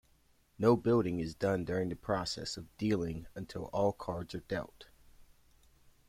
No building is done during the process of dealing until all cards are dealt.